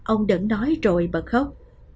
ông đần nói rồi bật khóc